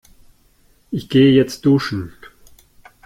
Ich gehe jetzt duschen.